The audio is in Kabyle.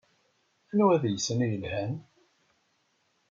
Anwa deg-sen ay yelhan?